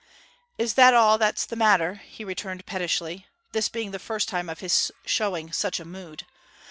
'Is that all that's the matter?' he returned pettishly (this being the first time of his showing such a mood).